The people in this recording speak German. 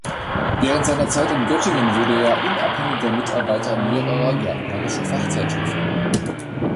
Während seiner Zeit in Göttingen wurde er unabhängiger Mitarbeiter mehrerer gärtnerischer Fachzeitschriften.